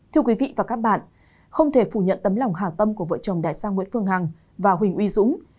thưa quý vị và các bạn không thể phủ nhận tấm lòng hào tâm của vợ chồng đại sang nguyễn phương hằng và huỳnh uy dũng